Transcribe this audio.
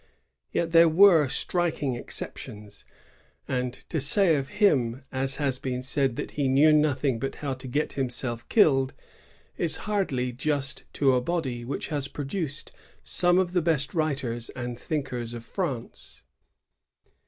Yet there were striking exceptions; and to say of him, as has been said, that " he knew nothing but how to get himself killed," is hardly just to a body which has produced some of the best writers and thinkers of France.